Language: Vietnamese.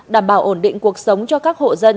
đảm bảo ổn định cuộc sống cho các hộ dân